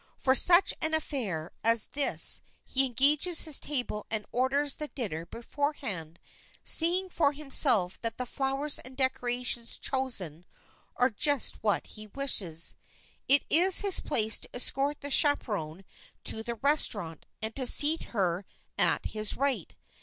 For such an affair as this he engages his table and orders the dinner beforehand, seeing for himself that the flowers and decorations chosen are just what he wishes. It is his place to escort the chaperon to the restaurant and to seat her at his right.